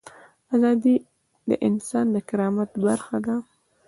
ازادي د انسان د کرامت برخه ده.